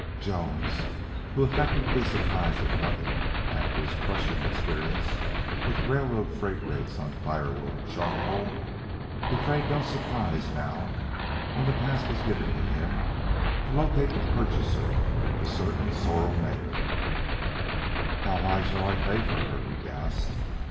Jones, who affected to be surprised at nothing after his crushing experience with railroad freight rates on firewood and charcoal, betrayed no surprise now when the task was given to him to locate the purchaser of a certain sorrel mare. "How high shall I pay for her?" he asked.